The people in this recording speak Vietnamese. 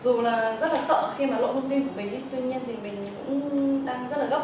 dù là rất là sợ khi mà lộ thông tin của mình tuy nhiên thì mình cũng đang rất là gấp